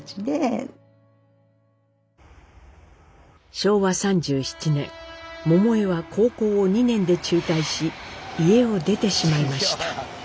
昭和３７年桃枝は高校を２年で中退し家を出てしまいました。